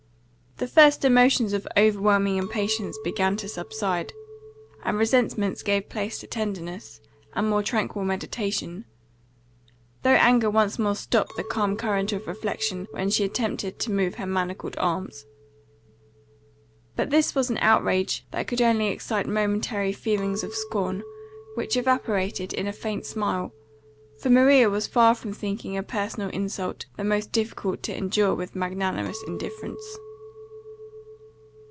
The first emotions of overwhelming impatience began to subside, and resentment gave place to tenderness, and more tranquil meditation; though anger once more stopt the calm current of reflection when she attempted to move her manacled arms. But this was an outrage that could only excite momentary feelings of scorn, which evaporated in a faint smile; for Maria was far from thinking a personal insult the most difficult to endure with magnanimous indifference.